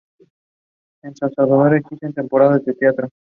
En San Salvador existen temporadas de teatro.